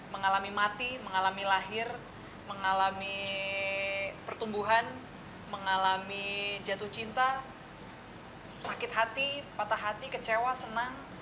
mengalami mati mengalami lahir mengalami pertumbuhan mengalami jatuh cinta sakit hati patah hati kecewa senang